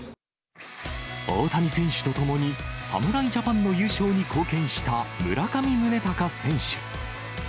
大谷選手と共に、侍ジャパンの優勝に貢献した村上宗隆選手。